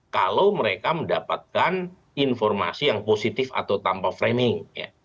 kalau mereka mendapatkan informasi yang positif atau tanpa framing